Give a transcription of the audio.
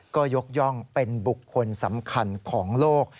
ก็ยกย่องเป็นบุคคลสำคัญของโลก